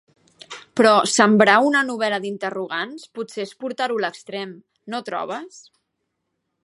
Però sembrar una novel·la d'interrogants potser és portar-ho a l'extrem, no trobes?